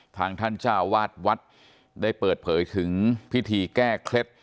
ทางท่านเจ้าวาดวัดได้เปิดเผยถึงพิธีแก้เคล็ด